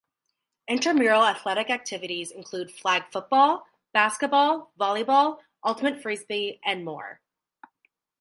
Intramural athletic activities include flag football, basketball, volleyball, ultimate frisbee, and more.